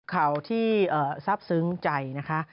ข่าวที่ทราบซึ้งใจนะคะ